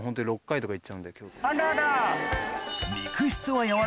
あらら！